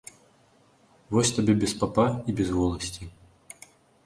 Вось табе без папа і без воласці.